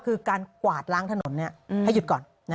คือการกวาดล้างถนนให้หยุดก่อน